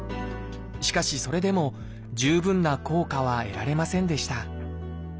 しかしそれでも十分な効果は得られませんでした